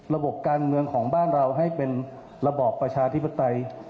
ระบบการเมืองของบ้านเราให้เป็นระบอบประชาธิปไตย